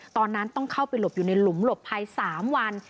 ตอนนั้นต้องเข้าไปหลบอยู่ในหลุมหลบภัย๓วัน